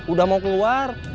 udah mau keluar